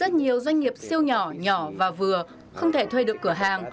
rất nhiều doanh nghiệp siêu nhỏ nhỏ và vừa không thể thuê được cửa hàng